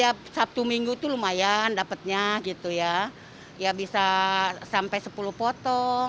praimi itu kalo tiap satu minggu tuh lumayan dapetnya gitu ya bisa sampai sepuluh potong